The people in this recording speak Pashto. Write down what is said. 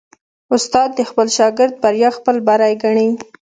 استاد د خپل شاګرد بریا خپل بری ګڼي.